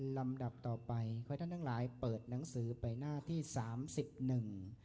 ลำดับต่อไปขอให้ท่านทั้งหลายเปิดหนังสือไปหน้าที่สามสิบหนึ่ง